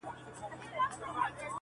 د ریا منبر ته خیژي ګناهکاره ثوابونه -